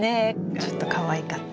ちょっとかわいかった。